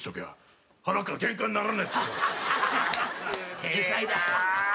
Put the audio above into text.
天才だ。